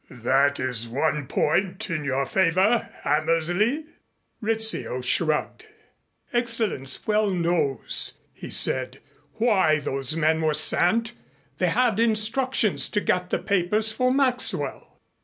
"That is one point in your favor, Hammersley." Rizzio shrugged. "Excellenz well knows," he said, "why those men were sent. They had instructions to get the papers for Maxwell."